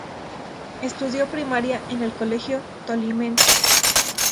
Estudió primaria en el Colegio Tolimense.